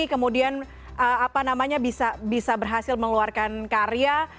kemudian apa namanya bisa berhasil mengeluarkan karya